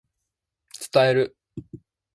伝える